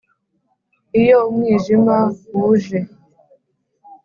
Iyo umwijima wuje